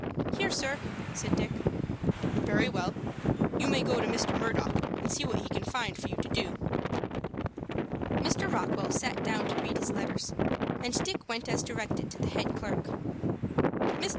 "Here, sir," said Dick. "Very well, you may go to Mr. Murdock, and see what he can find for you to do." Mr. Rockwell sat down to read his letters, and Dick went as directed to the head clerk. "Mr.